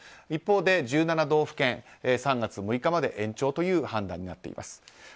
一方で１７道府県３月６日まで延長という判断になっています。